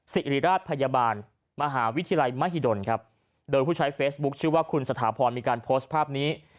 สิริราชพยาบาลมหาวิทยาลัยมหิดลครับโดยผู้ใช้เฟซบุ๊คชื่อว่าคุณสถาพรมีการโพสต์ภาพนี้